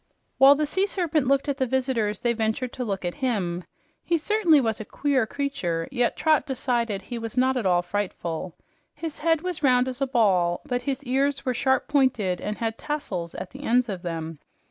While the sea serpent looked at the visitors, they ventured to look at him. He certainly was a queer creature, yet Trot decided he was not at all frightful. His head was round as a ball, but his ears were sharp pointed and had tassels at the ends of them.